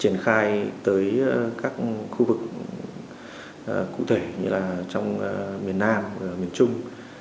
triển khai tới các khu vực cụ thể như là trong miền nam miền trung